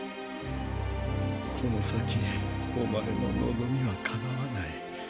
この先お前の望みは叶わない。